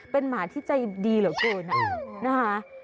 เป็นหมาที่ใจดีเหลือเกินนะคะ